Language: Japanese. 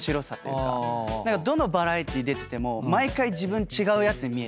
どのバラエティー出てても毎回自分違うやつに見えて。